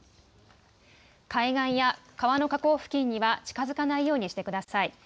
海岸や川の河口付近には近づかないようにしてください。